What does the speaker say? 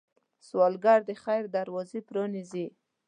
سوالګر د خیر دروازې پرانيزي